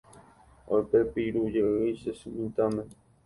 Oipepirũjey che sy mitãme.